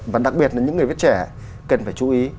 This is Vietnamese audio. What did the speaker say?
và đặc biệt là những người viết trẻ cần phải chú ý